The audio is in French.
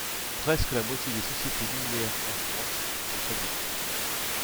Presque la moitié des sociétés minières, en France, font faillite...